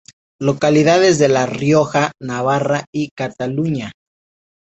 Localidades de La Rioja, Navarra y Cataluña.